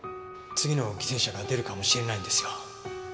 次の犠牲者が出るかもしれないんですよ。